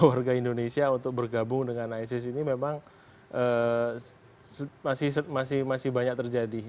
warga indonesia untuk bergabung dengan isis ini memang masih banyak terjadi